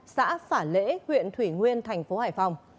xã phả lễ huyện thủy nguyên thành phố hải phòng